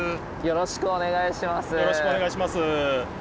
よろしくお願いします。